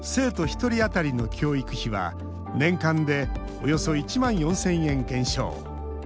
一人あたりの教育費は年間でおよそ１万４０００円減少。